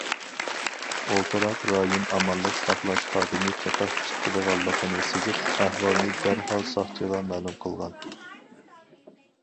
ئولتۇراق رايون ئامانلىق ساقلاش خادىمى چاتاق چىقىدىغانلىقىنى سېزىپ، ئەھۋالنى دەرھال ساقچىغا مەلۇم قىلغان.